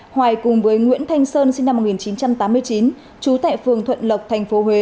hoài cùng với nguyễn thanh sơn sinh năm một nghìn chín trăm tám mươi chín trú tại phường thuận lộc tp huế